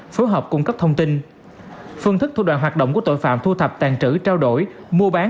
phương thức thu đoàn hoạt động của tội phạm thu thập tàn trữ trao đổi mua bán